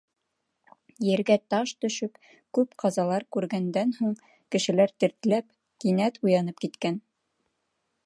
Ергә таш төшөп, күп ҡазалар күргәндән һуң, кешеләр тертләп, кинәт уянып киткән.